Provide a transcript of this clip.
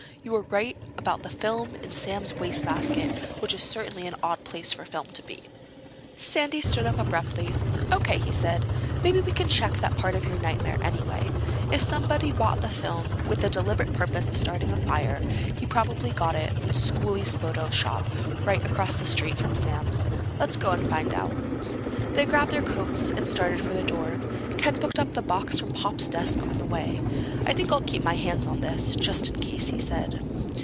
You were right about the film in Sam's wastebasket, which is certainly an odd place for film to be." Sandy stood up abruptly. "O.K.," he said. "Maybe we can check that part of your nightmare, anyway. If somebody bought that film with the deliberate purpose of starting a fire, he probably got it in Schooley's photo shop right across the street from Sam's. Let's go and find out." They grabbed their coats and started for the door. Ken picked up the box from Pop's desk on the way. "I think I'll keep my hands on this—just in case," he said.